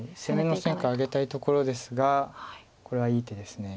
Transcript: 攻めの戦果上げたいところですがこれはいい手です。